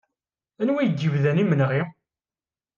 Anwa ay d-yebdan imenɣi?